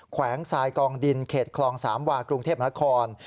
แวงทรายกองดินเขตคลองสามวากรุงเทพนคร